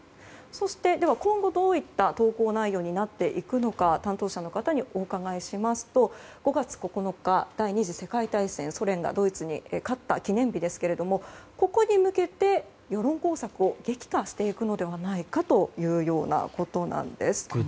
今後はどういった投稿内容になっていくのか担当者の方にお伺いしますと５月９日、第２次世界大戦ソ連がドイツに勝った記念日ですが、ここに向けて世論工作を激化していくのではないかということです。